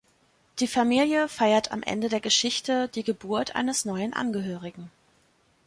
Die Familie feiert am Ende der Geschichte die Geburt eines neuen Angehörigen.